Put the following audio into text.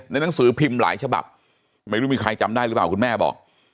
หนังสือพิมพ์หลายฉบับไม่รู้มีใครจำได้หรือเปล่าคุณแม่บอก